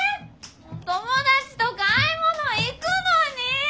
友達と買い物行くのにィ！